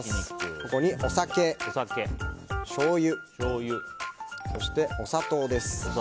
ここにお酒、しょうゆそしてお砂糖です。